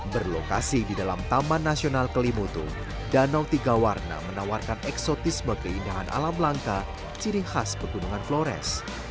berlokasi di dalam taman nasional kelimutu danau tiga warna menawarkan eksotisme keindahan alam langka ciri khas pegunungan flores